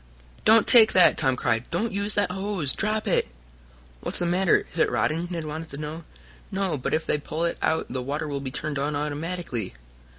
"Don't take that!" Tom cried. "Don't use that hose! Drop it!" "What's the matter? Is it rotten?" Ned wanted to know. "No, but if they pull it out the water will be turned on automatically."